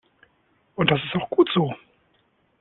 Und das ist auch gut so.